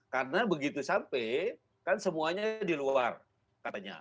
karena begitu sampai kan semuanya di luar katanya